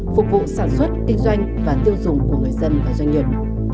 phục vụ sản xuất kinh doanh và tiêu dùng của người dân và doanh nghiệp